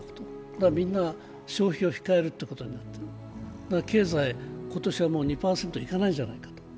だから、みんな消費を控えることになって、経済、今年はもう２％いかないんじゃないか。